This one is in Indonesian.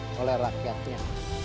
dan dicintai oleh rakyatnya